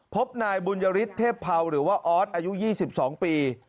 พบนายบุญยฤทธิเทพเภาหรือว่าออสอายุ๒๒ปี